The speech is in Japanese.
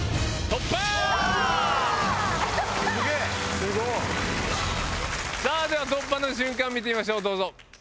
すごい！では突破の瞬間見てみましょうどうぞ。ねぇ。